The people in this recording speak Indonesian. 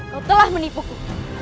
kau telah menipuku